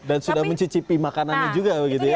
dan sudah mencicipi makanannya juga begitu ya